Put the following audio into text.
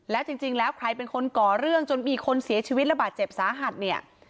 แล้วจริงแล้วใครเป็นคนก่อเรื่องจนมีคนเสียชีวิตระบาดเจ็บสาหัสเนี่ย